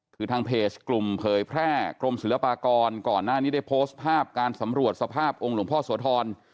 คือทางเพจกลุ่มเผยแพร่กรมศิลปากรก่อนหน้านี้ได้โพสต์ภาพการสำรวจสภาพองค์หลวงพ่อโสธร